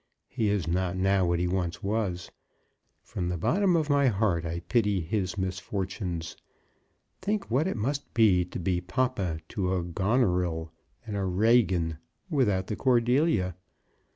He is not now what he was once. From the bottom of my heart I pity his misfortunes. Think what it must be to be papa to a Goneril and a Regan, without the Cordelia.